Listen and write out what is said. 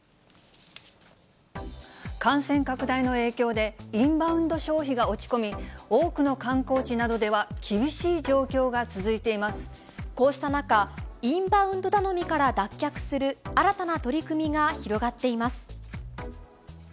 感染拡大の影響で、インバウンド消費が落ち込み、多くの観光地などでは厳しい状況が続いていこうした中、インバウンド頼みから脱却する新たな取り組みが広がっています。